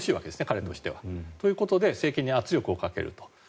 彼としては。ということで政権に圧力をかけると。